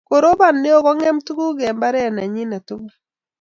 korobon neo kongem tuguk eng mbaret nenyinet tugul